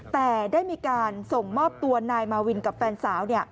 แต่ได้มีการส่งมอบตัวนายมาวินกับแฟนสาว